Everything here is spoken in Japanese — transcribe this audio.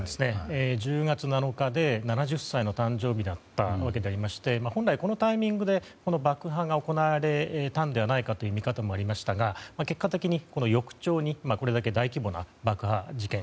１０月７日で７０歳の誕生日だったわけでして本来このタイミングで、爆破が行われたのではないかという見方もありましたが結果的に翌朝にこれだけ大規模な爆発事件